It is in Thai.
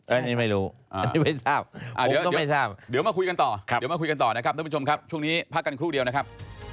อันนี้ไม่รู้อันนี้ไม่ทราบผมก็ไม่ทราบเดี๋ยวมาคุยกันต่อนะครับทุกผู้ชมครับช่วงนี้พักกันครู่เดียวนะครับ